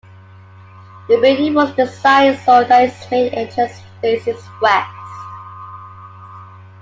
The building was designed so that its main entrance faces west.